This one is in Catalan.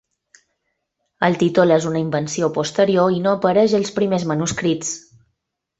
El títol és una invenció posterior i no apareix als primers manuscrits.